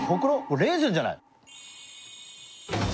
レーズンじゃない。